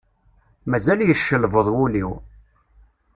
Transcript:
Mazal yeccelbeḍ wul-iw.